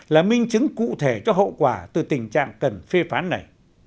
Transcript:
là minh chứng cụ thể cho hậu quả từ tình trạng cần phê phán này